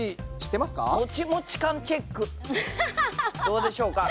どうでしょうか？